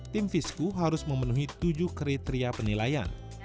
tim fisku harus memenuhi tujuh kriteria penilaian